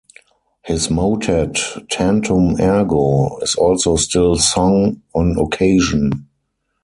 His motet "Tantum ergo" is also still sung on occasion.